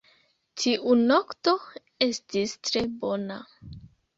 Tiu nokto estis tre bona